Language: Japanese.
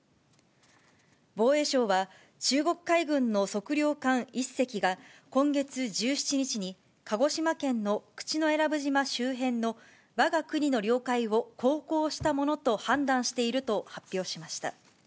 防衛省は、中国海軍の測量艦１隻が、今月１７日に鹿児島県の口永良部島周辺のわが国の領海を航行したものと判断していると発表しました。